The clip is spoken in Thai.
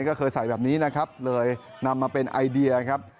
ก็เคยใส่แบบนี้นะครับเลยนำมาเป็นไอเดียครับ